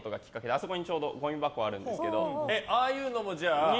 あそこに、ちょうどごみ箱があるんですけど。